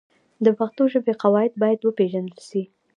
د پښتو ژبې قواعد باید وپېژندل سي.